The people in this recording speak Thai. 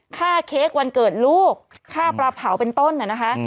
เค้กวันเกิดลูกค่าปลาเผาเป็นต้นน่ะนะคะ